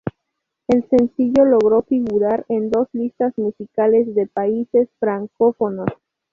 El sencillo logró figurar en dos listas musicales de países francófonos.